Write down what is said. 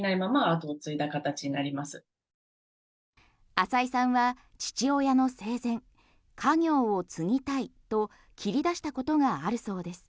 浅井さんは父親の生前家業を継ぎたいと切り出したことがあるそうです。